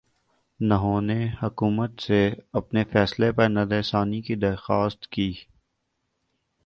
نہوں نے حکومت سے اپنے فیصلے پرنظرثانی کی درخواست کی